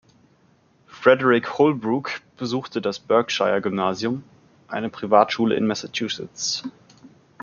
Frederick Holbrook besuchte das Berkshire-Gymnasium, eine Privatschule in Massachusetts.